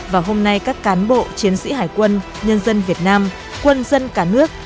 và hôm nay các cán bộ chiến sĩ hải quân nhân dân việt nam quân dân cả nước